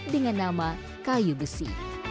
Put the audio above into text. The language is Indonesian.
dengan nama kayu besi